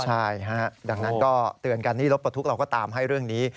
ใช่ฮะดังนั้นก็เตือนกันนี่รถปลดทุกข์เราก็ตามให้เรื่องนี้